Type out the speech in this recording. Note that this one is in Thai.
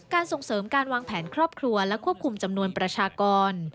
ส่งเสริมการวางแผนครอบครัวและควบคุมจำนวนประชากร